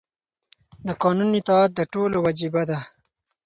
د قانون اطاعت د ټولو وجیبه ده.